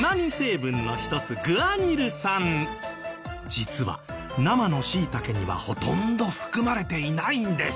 実は生の椎茸にはほとんど含まれていないんです。